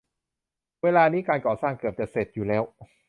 เวลานี้การก่อสร้างเกือบจะเสร็จอยู่แล้ว